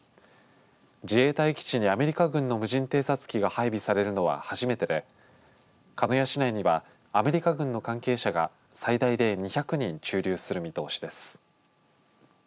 自衛隊基地にアメリカ軍の無人偵察機が配備されるのは初めてで鹿屋市内にはアメリカ軍の関係者が最大で２００人駐留する見通しです。